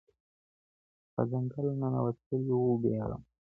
په ځنګله ننوتلی وو بېغمه